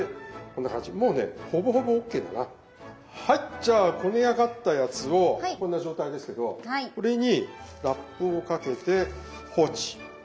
じゃあこね上がったやつをこんな状態ですけどこれにラップをかけて放置。